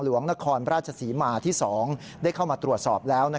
หลวงนครพระราชสีมาที่๒ได้เข้ามาตรวจสอบแล้ว